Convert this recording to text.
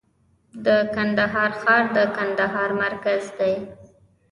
د کندهار ښار د کندهار مرکز دی